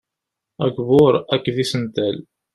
Agbur akked isental.